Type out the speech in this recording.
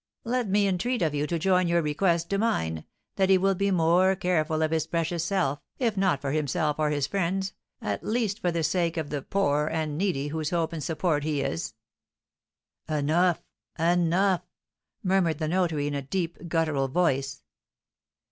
Let me entreat of you to join your request to mine, that he will be more careful of his precious self, if not for himself or his friends, at least for the sake of the poor and needy, whose hope and support he is." "Enough! Enough!" murmured the notary, in a deep, guttural voice.